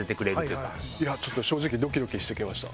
いやちょっと正直ドキドキしてきました。